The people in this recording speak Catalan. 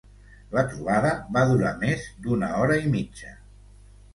La trobada va durar més d’una hora i mitja.